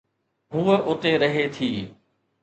هوءَ اتي رهي ٿي.